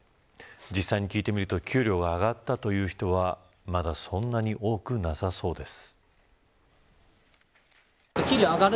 実際に聞いてみると給料が上がったという人はまだそんなに多くなさそうです。